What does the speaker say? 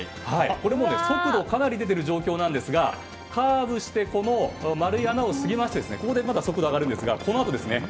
もう速度かなり出ている状況ですがカーブして丸い穴を過ぎましてここでまた速度上がるんですがこのあとですね。